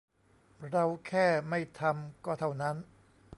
เราแค่ไม่ทำ ก็เท่านั้น